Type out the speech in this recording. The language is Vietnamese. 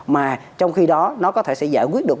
mà trong khi đó nó có thể sẽ giải quyết được